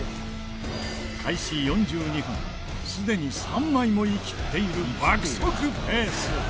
開始４２分すでに３枚もイキっている爆速ペース！